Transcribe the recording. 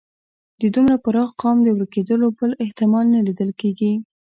د دومره پراخ قوم د ورکېدلو بل احتمال نه لیدل کېږي.